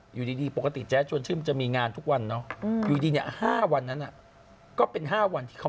ฮะถึงที่ยี่สิบเก้าอีกสองวันอีกสองวันวันวันอะไรวันยี่สิบเก้า